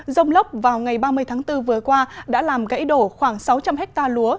rông lốc vào ngày ba mươi tháng bốn vừa qua đã làm gãy đổ khoảng sáu trăm linh hectare lúa